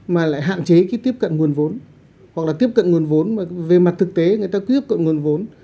mà lại hạn chế cái tiếp cận nguồn vốn hoặc là tiếp cận nguồn vốn về mặt thực tế người ta quyết cội nguồn vốn